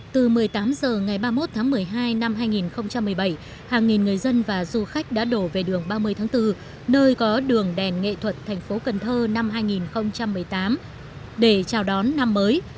từ một mươi tám h ngày ba mươi một tháng một mươi hai năm hai nghìn một mươi bảy hàng nghìn người dân và du khách đã đổ về đường ba mươi tháng bốn nơi có đường đèn nghệ thuật thành phố cần thơ năm hai nghìn một mươi tám để chào đón năm mới